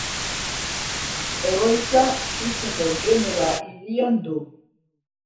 Egoitza Suitzako Geneva hirian du.